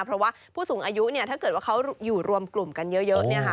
เพราะว่าผู้สูงอายุเนี่ยถ้าเกิดว่าเขาอยู่รวมกลุ่มกันเยอะเนี่ยค่ะ